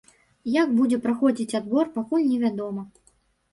Як будзе праходзіць адбор, пакуль невядома.